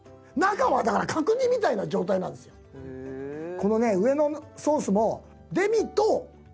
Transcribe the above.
このね上のソースも。